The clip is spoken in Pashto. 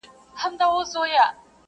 ږغ ده محترم ناشناس صاحب!